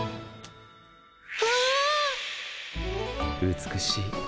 美しい。